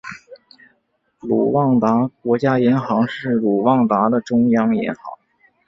卢旺达国家银行是卢旺达的中央银行。